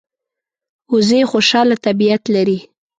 وزې خوشاله طبیعت لري